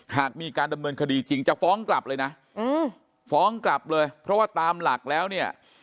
หากมีการดำเนินคดีจริงจะฟ้องกลับเลยนะฟ้องกลับเลยเพราะว่าตามหลักแล้วเนี่ย